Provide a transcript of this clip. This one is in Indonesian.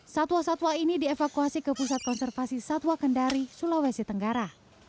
satwa satwa ini dievakuasi ke pusat konservasi satwa kendari sulawesi tenggara